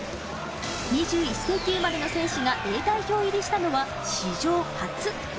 ２１世紀生まれの選手がＡ代表入りしたのは史上初。